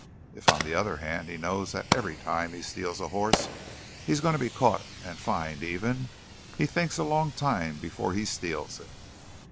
If, on the other hand, he knows that every time he steals a horse he's going to be caught and fined even, he thinks a long time before he steals it."